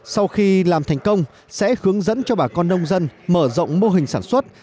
sau khi làm thành công sẽ hướng dẫn cho bà con nông dân mở rộng mô hình sản xuất